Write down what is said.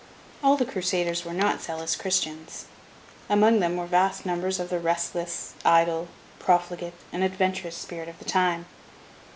All the Crusaders were not zealous Christians. Among them were vast numbers of the restless, idle, profligate, and adventurous spirit of the time.